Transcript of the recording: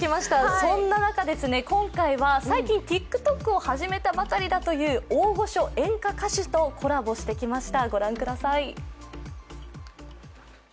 そんな中、今回は、最近ＴｉｋＴｏｋを始めたばかりだという大御所演歌歌手とコラボしてきました。